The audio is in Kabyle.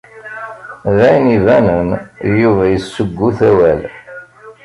D ayen ibanen Yuba yessuggut awal.